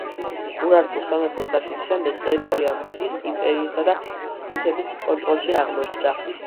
ურარტუს სამეფოს დაშლის შემდეგ, ტერიტორია მიდიის იმპერიისა და სკვითების კონტროლში აღმოჩნდა.